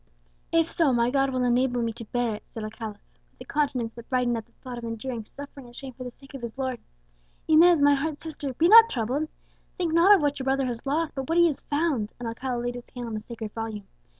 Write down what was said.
"If so, my God will enable me to bear it," said Alcala, with a countenance that brightened at the thought of enduring suffering and shame for the sake of his Lord. "Inez, my heart's sister, be not troubled. Think not of what your brother has lost, but what he has found;" and Alcala laid his hand on the sacred Volume.